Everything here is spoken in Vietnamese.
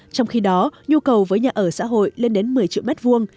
trong khi đó nhu cầu với nhà ở xã hội lên đến một mươi triệu m hai